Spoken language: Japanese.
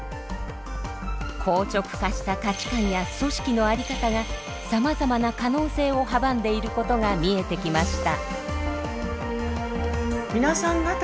硬直化した価値観や組織のあり方がさまざまな可能性を阻んでいることが見えてきました。